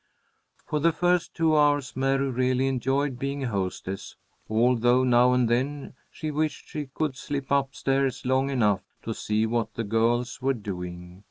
For the first two hours Mary really enjoyed being hostess, although now and then she wished she could slip up stairs long enough to see what the girls were doing.